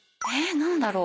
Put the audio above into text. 何だろう？